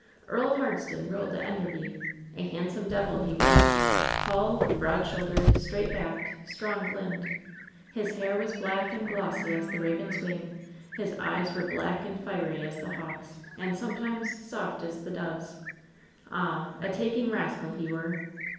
"Earl Hardston ruled at Enderby. A handsome devil he were. Tall, broad shouldered, straight backed, strong limbed. His hair was black and glossy as the raven's wing ; his eyes were black and fiery as the hawk's, and sometimes soft as the dove's. Ah, a taking rascal he were.